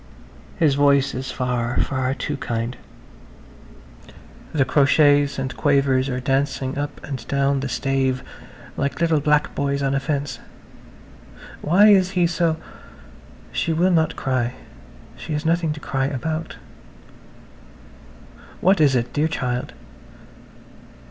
His voice is far, far too kind. The crotchets and [Page 141] quavers are dancing up and down the stave like little black boys on a fence. Why is he so ... She will not cry–she has nothing to cry about. ... "What is it, dear child?"